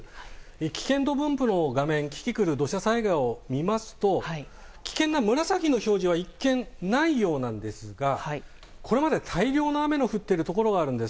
危険度分布の画面、キキクルの土砂災害を見ますと危険な紫の表示は一見、ないようなんですがこれまで大量の雨が降っているところがあるんです。